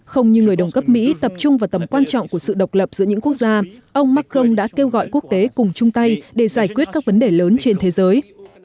không như người đồng cấp mỹ tập trung vào tầm quan trọng của sự độc lập giữa những quốc gia ông macron đã kêu gọi quốc tế cùng chung tay để giải quyết các vấn đề lớn trên thế giới